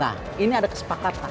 nah ini ada kesepakatan